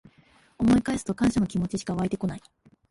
思い返すと感謝の気持ちしかわいてこない